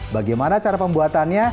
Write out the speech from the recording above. bagaimana cara pembuatannya